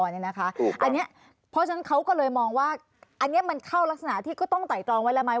เพราะฉะนั้นเขาก็เลยมองว่าอันนี้มันเข้ารักษณะที่ก็ต้องไต่ตรองไว้แล้วไหม